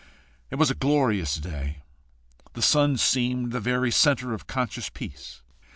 It was a glorious day; the sun seemed the very centre of conscious peace.